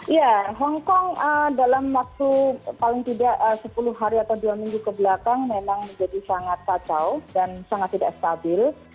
ya hongkong dalam waktu paling tidak sepuluh hari atau dua minggu kebelakang memang menjadi sangat kacau dan sangat tidak stabil